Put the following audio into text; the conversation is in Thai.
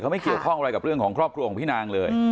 ไม่เกี่ยวข้องอะไรกับเรื่องของครอบครัวของพี่นางเลย